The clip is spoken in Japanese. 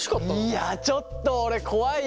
いやちょっと俺怖いな。